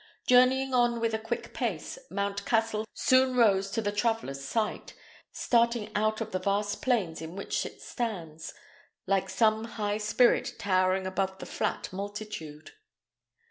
Journeying on with a quick pace, Mount Cassel soon rose to the traveller's sight, starting out of the vast plains in which it stands, like some high spirit towering above the flat multitude.